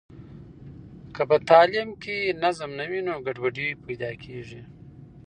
که په تعلیم کې نظم نه وي نو ګډوډي پیدا کېږي.